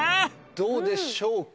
どうでしょうか？